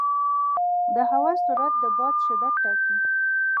د هوا سرعت د باد شدت ټاکي.